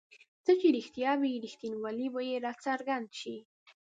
څه چې رښتیا وي رښتینوالی به یې راڅرګند شي.